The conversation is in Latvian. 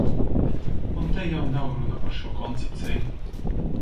Un te jau nav runa par šo koncepciju.